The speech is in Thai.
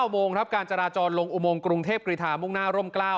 โมงครับการจราจรลงอุโมงกรุงเทพกรีธามุ่งหน้าร่ม๙